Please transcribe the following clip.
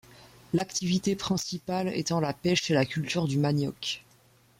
L'activité principale étant la pêche et la culture du manioc.